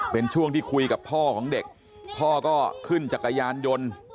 เป็นช่วงที่คุยกับพ่อของเด็กพ่อก็ขึ้นจักรยานยนต์